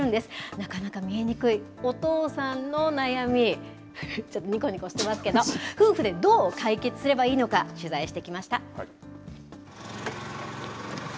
なかなか見えにくいお父さんの悩み、ちょっと、にこにこしてますけど、夫婦でどう解決すればいいのか取材してきました。